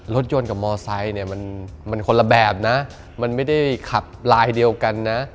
รถยนต์กับมอไซค์เนี่ยมันคนละแบบนะมันไม่ได้ขับลายเดียวกันนะ